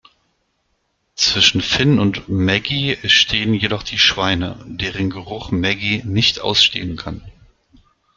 Zwischen Finn und Maggie stehen jedoch die Schweine, deren Geruch Maggie nicht ausstehen kann.